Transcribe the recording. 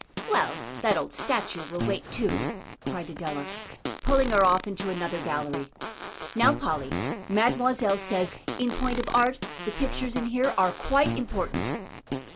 "Well, that old statue will wait, too," cried Adela, pulling her off into another gallery. "Now, Polly, Mademoiselle says, in point of art, the pictures in here are quite important."